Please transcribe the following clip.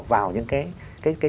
vào những cái